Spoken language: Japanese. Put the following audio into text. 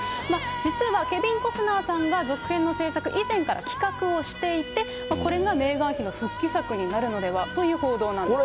実はケビン・コスナーさんが、続編の計画、以前から企画をしていて、これがメーガン妃の復帰作になるのではという報道なんですね。